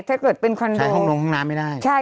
ถ้าเกิดเป็นคอนโดไปห้องนงห้องน้ำไม่ได้